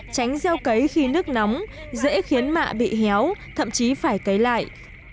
tránh gieo cấy khi nước nóng dễ khiến mạ bị héo thậm chí phải cấy lại